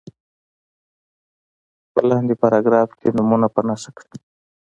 په لاندې پاراګراف کې نومونه په نښه کړي.